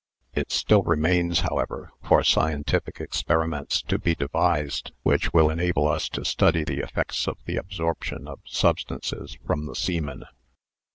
It still remains, however, for scientific experiments to be devised which will enable us to study the effects of the absorption of substances from the semen.